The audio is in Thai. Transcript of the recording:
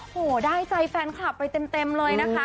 โหได้ใจแฟนคลับไปเต็มเลยนะคะ